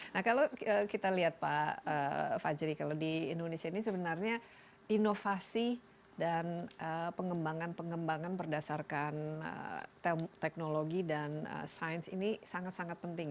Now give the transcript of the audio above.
nah kalau kita lihat pak fajri kalau di indonesia ini sebenarnya inovasi dan pengembangan pengembangan berdasarkan teknologi dan sains ini sangat sangat penting